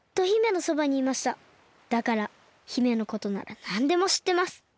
だから姫のことならなんでもしってます。